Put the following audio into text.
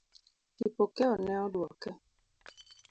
Kipokeo ne oduoke.